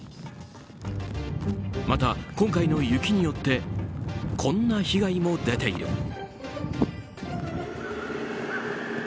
また、今回の雪によってこんな被害も出ている。